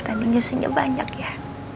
tadi nyusunya banyak ya